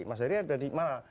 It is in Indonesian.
mas heri ada di mana